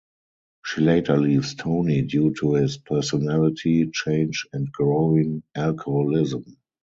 She later leaves Tony due to his personality change and growing alcoholism.